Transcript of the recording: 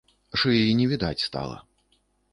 Шыі не відаць стала.